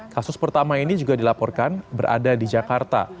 kasus pertama ini juga dilaporkan berada di jakarta